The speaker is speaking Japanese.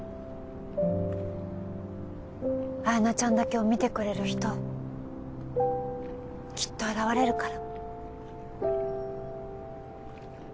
彩菜ちゃんだけを見てくれる人きっと現れるから。